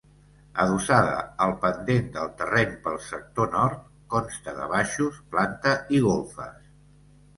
Adossada al pendent del terreny pel sector Nord, consta de baixos, planta i golfes.